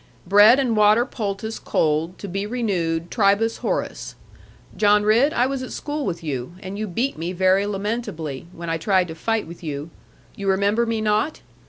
Bread and water poultice cold, to be renewed, tribus horis. John Ridd, I was at school with you, and you beat me very lamentably, when I tried to fight with you. You remember me not?